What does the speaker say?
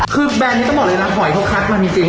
คือแบรนด์นี้ต้องบอกเลยนะหอยเขาคัดมาจริง